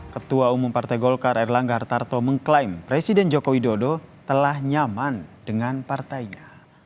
ketua umum partai golkar erlangga hartarto mengklaim presiden joko widodo telah nyaman dengan partainya